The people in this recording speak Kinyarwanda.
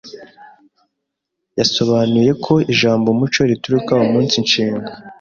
yasobanuye ko ijambo umuco rituruka umunsi nshinga